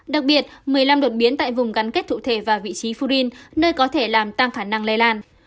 đặc biệt một mươi năm đột biến tại vùng gắn kết cụ thể và vị trí furin nơi có thể làm tăng khả năng lây lan